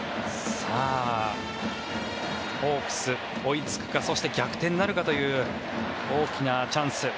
ホークス、追いつくかそして逆転なるかという大きなチャンス。